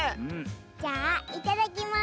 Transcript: じゃあいただきます！